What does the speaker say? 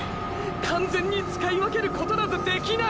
完全に使い分けることなどできない！！